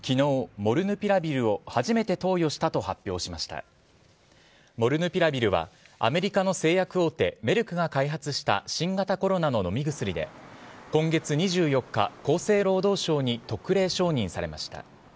モルヌピラビルはアメリカの製薬大手、メルクが開発した新型コロナの飲み薬で、今月２４日、厚生労働省に特例承認されました。